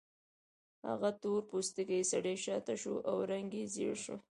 هغه تور پوستکی سړی شاته شو او رنګ یې ژیړ شو